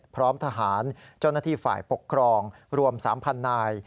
พร้อมทหารจ้อนาธิฝ่ายปกครองรวม๓พันนาย